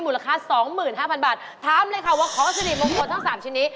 มูลค่า๒๕๐๐บาทถามเลยค่ะว่าของสิริมงคลทั้ง๓ชนิด